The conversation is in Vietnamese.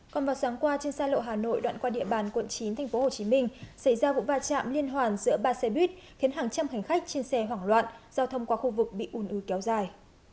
còn vào sáng qua trên xa lộ hà nội đoạn qua địa bàn quận chín tp hcm xảy ra vụ va chạm liên hoàn giữa ba xe buýt khiến hàng trăm hành khách trên xe hoảng loạn giao thông qua khu vực bị ùn ứ kéo dài